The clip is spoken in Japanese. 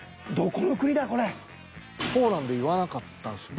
ポーランド言わなかったんすよね。